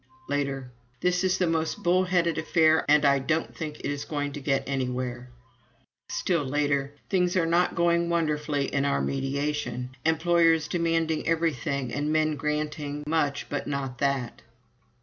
Later: "This is the most bull headed affair and I don't think it is going to get anywhere." Still later: "Things are not going wonderfully in our mediation. Employers demanding everything and men granting much but not that."